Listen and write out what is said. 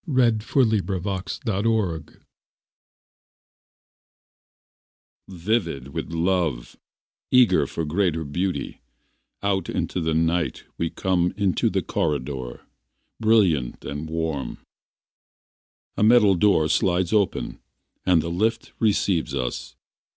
From the Woolworth Tower VIVID with love, eager for greater beauty Out of the night we come Into the corridor, brilliant and warm. A metal door slides open, And the lift receives us.